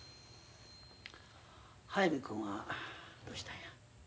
速水君はどうしたんや？